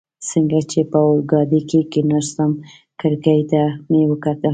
څنګه چي په اورګاډي کي کښېناستم، کړکۍ ته مې وکتل.